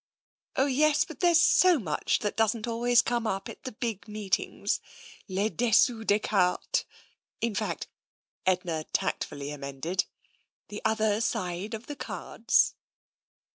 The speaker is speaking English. *' Oh, yes, but then there's so much that doesn't al ways come up at the big meetings. Le dessous des cartes. In fact," Edna tactfully amended, " the other side of the cards."